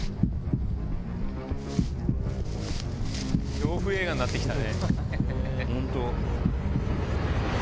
恐怖映画になって来たね。